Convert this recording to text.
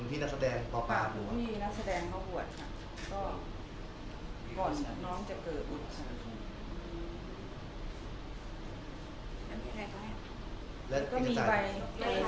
คุณพี่นักแสดงพอบ่าบวช